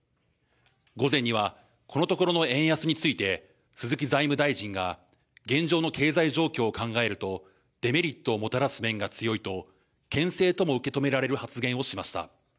午前にはこのところの円安について鈴木財務大臣が現状の経済状況を考えるとデメリットをもたらす面が強いとけん制とも受け止められる発言をしました。